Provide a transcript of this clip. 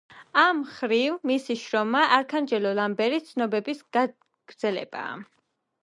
ამ მხრივ მისი შრომა არქანჯელო ლამბერტის ცნობების გაგრძელებაა.